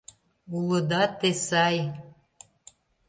Улыда те сай.